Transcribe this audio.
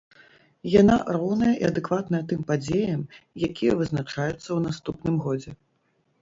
Яна роўная і адэкватная тым падзеям, якія вызначаюцца ў наступным годзе.